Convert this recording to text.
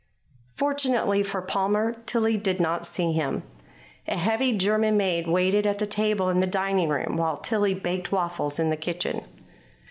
Fortunately for Palmer, Tillie did not see him. A heavy German maid waited at the table in the dining room, while Tillie baked waffles in the kitchen.